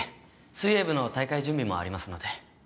水泳部の大会準備もありますので。